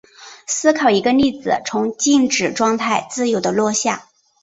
思考一个粒子从静止状态自由地下落。